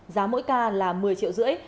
giá mỗi ca là một mươi triệu rưỡi